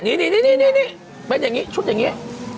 นี่นี่นี่นี่นี่เป็นอย่างงี้ชุดอย่างงี้